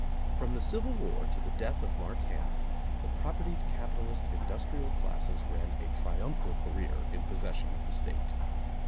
From the Civil War to the death of Mark Hanna, the propertied capitalist industrial classes ran a triumphal career in possession of the State.